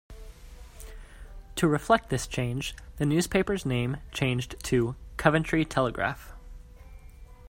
To reflect this change, the newspaper's name changed to "Coventry Telegraph".